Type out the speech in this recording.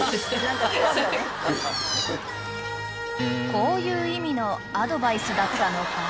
［こういう意味のアドバイスだったのか？］